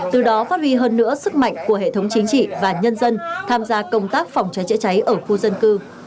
từ đó phát huy hơn nữa sức mạnh của hệ thống chính trị và nhân dân tham gia công tác phòng cháy chữa cháy ở khu dân cư